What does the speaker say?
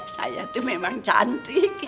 saya itu memang cantik